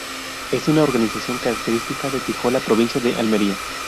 Es una organización característica de Tíjola, provincia de Almería.